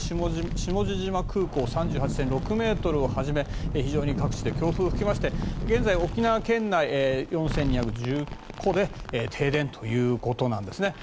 下地島空港で３８．６ｍをはじめ非常に各地で強風が吹きまして現在、沖縄県内４２１０戸で停電ということなんですね。